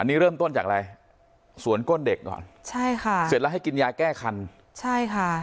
อันนี้เริ่มต้นจากอะไรสวนก้นเด็กก่อนใช่ค่ะเสร็จแล้วให้กินยาแก้คันใช่ค่ะ